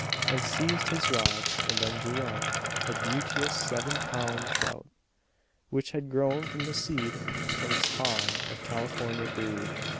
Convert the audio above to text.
And seized his rod and then drew out A beauteous seven pound trout, Which had grown from the seed From spawn of California breed.